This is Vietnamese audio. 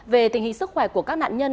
về tình hình sức khỏe của các nạn nhân